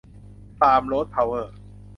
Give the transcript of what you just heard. ไพร์ม โรด เพาเวอร์